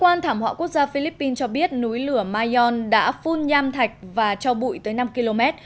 cơ quan thảm họa quốc gia philippines cho biết núi lửa mayon đã phun nham thạch và cho bụi tới năm km